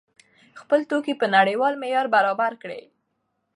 خپل توکي په نړیوال معیار برابر کړئ.